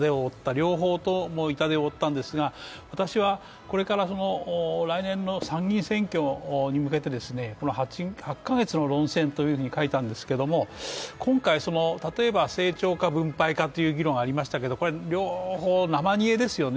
両方とも痛手を負ったんですが私はこれから来年の参議院選挙に向けて８カ月の論戦というふうに書いたんですけども今回、成長か分配かという議論がありましたがこれは両方、生煮えですよね。